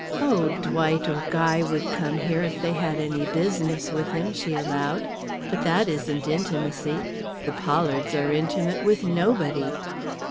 "Oh, Dwight or Guy would come here if they had any business with him," she allowed. "But that isn't intimacy; the Pollards are intimate with nobody."